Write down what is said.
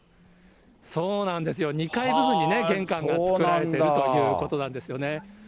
そうなんですよ、２階部分に玄関が作られてるということなんですよね。